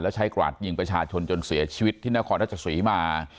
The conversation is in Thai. แล้วใช้กราดยิงประชาชนจนเสียชีวิตที่นครราชศรีมา